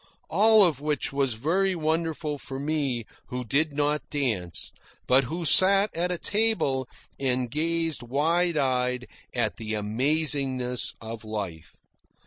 All of which was very wonderful for me, who did not dance, but who sat at a table and gazed wide eyed at the amazingness of life.